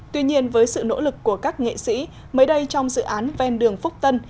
tuy nhiên với sự nỗ lực của các nghệ sĩ mới đây trong dự án ven đường phúc tân